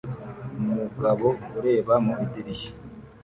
Umugabo ureba mu idirishya